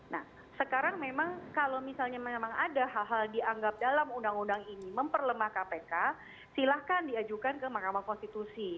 nah sekarang memang kalau misalnya memang ada hal hal dianggap dalam undang undang ini memperlemah kpk silahkan diajukan ke mahkamah konstitusi